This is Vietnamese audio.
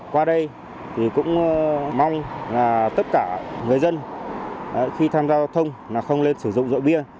qua đây thì cũng mong là tất cả người dân khi tham gia giao thông là không nên sử dụng rượu bia